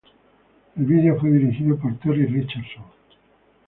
El video fue dirigido por Terry Richardson.